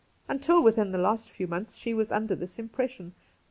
Until within the last few months she was under this im pression.